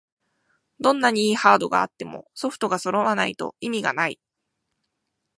どんなに良いハードがあってもソフトがそろわないと意味がない